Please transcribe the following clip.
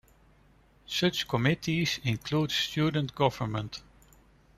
Such committees include Student Government.